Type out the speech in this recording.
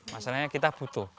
masalahnya kita butuh